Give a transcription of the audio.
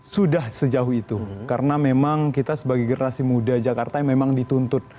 sudah sejauh itu karena memang kita sebagai generasi muda jakarta yang memang dituntut